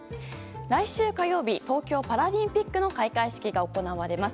来週火曜日東京パラリンピックの開会式が行われます。